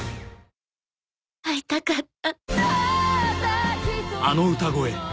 会いたかった。